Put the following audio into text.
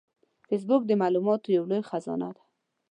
فېسبوک د معلوماتو یو لوی خزانه ده